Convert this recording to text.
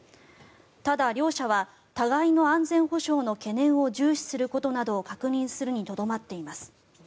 ただ、両社は互いの安全保障の懸念を重視することなどを確認するにとどまっています。